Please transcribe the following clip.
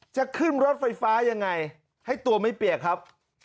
จะขึ้นรถไฟฟ้ายังไงให้ตัวไม่เปียกครับ